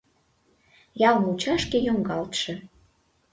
Ял мучашке йоҥгалтше.